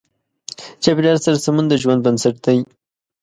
چاپېریال سره سمون د ژوند بنسټ دی.